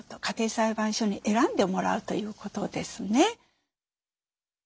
家庭裁判所に選んでもらうということですね。